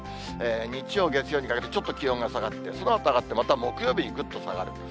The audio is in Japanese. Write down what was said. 日曜、月曜にかけてちょっと気温が下がって、そのあと上がって、また木曜日、ぐっと下がる。